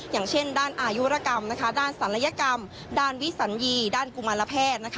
อย่างเช่นด้านอายุรกรรมด้านศัลยกรรมด้านวิสัญญีด้านกุมารแพทย์